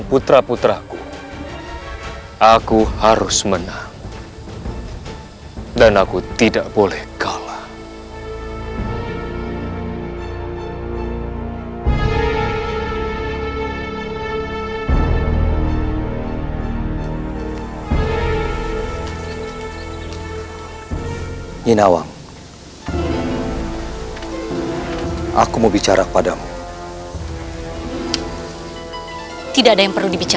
karena terlalu labang kau tidak pedulikan